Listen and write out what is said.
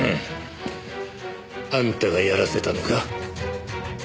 あんたがやらせたのか？